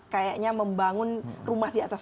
kayaknya membangun rumah di atas